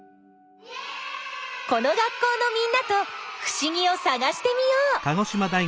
この学校のみんなとふしぎをさがしてみよう！